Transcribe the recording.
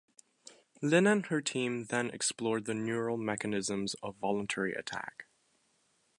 Lin and her team then explored the neural mechanisms of voluntary attack.